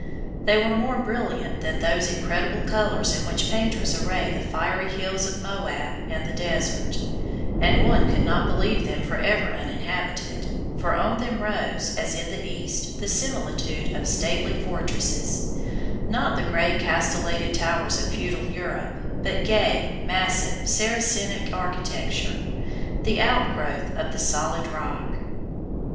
They were more brilliant than those incredible colors in which painters array the fiery hills of Moab and the Desert, and one could not believe them for ever uninhabited, for on them rose, as in the East, the similitude of stately fortresses, not the gray castellated towers of feudal Europe, but gay, massive, Saracenic architecture, the outgrowth of the solid rock.